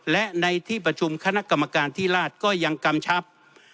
และในที่ประชุมคณะกรรมการที่ราชก็ยังกำชับ